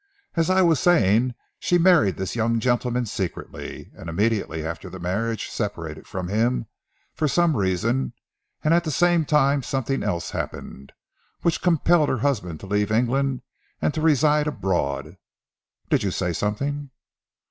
"As I was saying, she married this young gentleman secretly, and immediately after the marriage separated from him for some reason, and at the same time something else happened, which compelled her husband to leave England and to reside abroad.... Did you say something?"